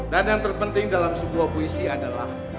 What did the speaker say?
dan yang terpenting dalam sebuah puisi adalah